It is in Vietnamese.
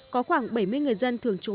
có khoảng bảy mươi người dân thường trú